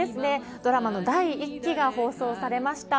ドラマの第１期が放送されました。